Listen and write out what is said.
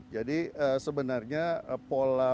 jadi sebenarnya pola